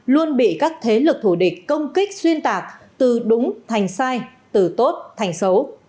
luôn bị các thế lực thủ địch công kích xuyên tạc từ đúng thành sai từ tốt thành xấu